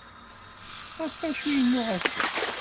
Ɣef acu i yennuɣ akken?